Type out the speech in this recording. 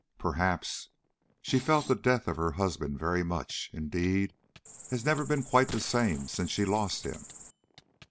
"Perhaps; she felt the death of her husband very much indeed, has never been quite the same since she lost him."